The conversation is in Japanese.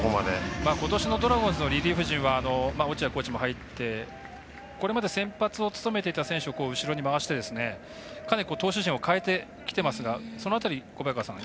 ことしのドラゴンズのリリーフ陣は落合コーチも入ってこれまで先発を務めていた投手を後ろに回してかなり投手陣を変えてきていますがその辺り、小早川さん。